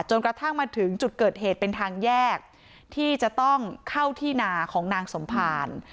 กระทั่งมาถึงจุดเกิดเหตุเป็นทางแยกที่จะต้องเข้าที่นาของนางสมภาร